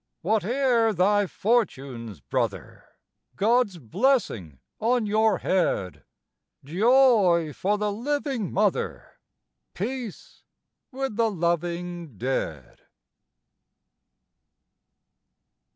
Whate'er thy fortunes, brother! God's blessing on your head; Joy for the living mother, Peace with the loving dead.